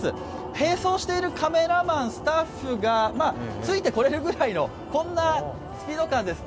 並走しているカメラマン、スタッフがついてこれるぐらいの、こんなスピード感です。